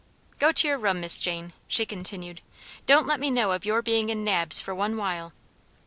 "Go to your room, Miss Jane," she continued. "Don't let me know of your being in Nab's for one while."